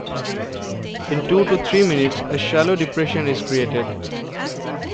In two to three minutes a shallow depression is created.